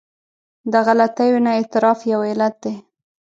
د غلطیو نه اعتراف یو علت دی.